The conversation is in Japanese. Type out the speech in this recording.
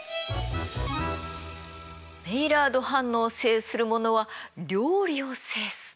メイラード反応を制する者は料理を制す。